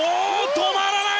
止まらない！